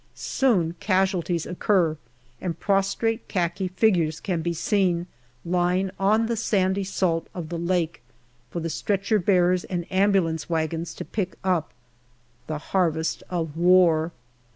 Soon casualties occur and prostrate khaki figures can be seen lying on the sandy salt of the lake for the stretcher bearers and ambulance wagons to pick up the harvest of war.